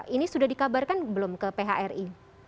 ini sudah dikabarkan belum ke phri